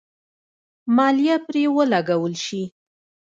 مالیه پرې ولګول شي.